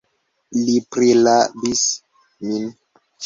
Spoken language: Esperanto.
Li prirabis min!